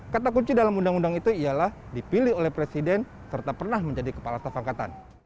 kata kunci dalam undang undang itu ialah dipilih oleh presiden serta pernah menjadi kepala staf angkatan